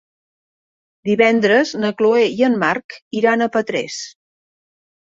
Divendres na Chloé i en Marc iran a Petrés.